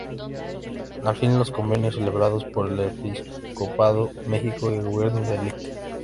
Al fin, los convenios celebrados por el episcopado mexicano y el gobierno del Lic.